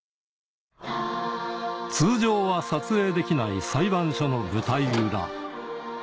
通常は撮影できない裁判所の舞台裏